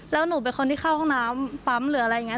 แล้วหนูเป็นคนที่เข้าห้องน้ำปั๊มหรืออะไรอย่างนี้